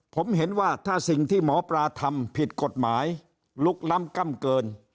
ผมเห็นว่าถ้าสิ่งที่หมอปลาทำผิดกฎหมายลุกล้ำกล้ำเกิน